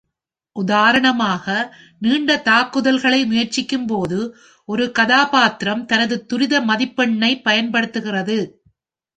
உதாரணமாக, நீண்ட தாக்குதல்களை முயற்சிக்கும்போது ஒரு கதாப்பாத்திரம் தனது துரித மதிப்பெண்ணைப் பயன்படுத்துகிறது.